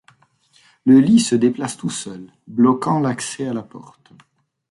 Le lit se déplace tout seul, bloquant l'accès à la porte.